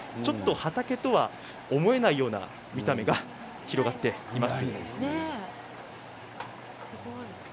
畑とは思えないような見た目が広がっています。